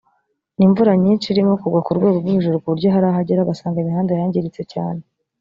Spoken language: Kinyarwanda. ni imvura nyinshi irimo kugwa ku rwego rwo hejuru ku buryo hari aho agera agasanga imihanda yangiritse cyane